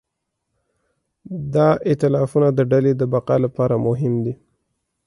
دا ایتلافونه د ډلې د بقا لپاره مهم دي.